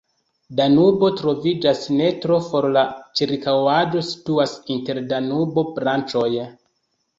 Danubo troviĝas ne tro for, la ĉirkaŭaĵo situas inter Danubo-branĉoj.